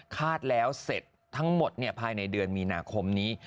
แล้วเสร็จทั้งหมดภายในเดือนมีนาคมนี้